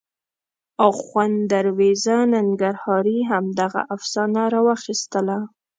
اخوند دروېزه ننګرهاري همدغه افسانه راواخیستله.